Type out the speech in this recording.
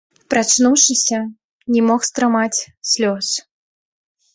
Прачнуўшыся, не мог стрымаць слёз.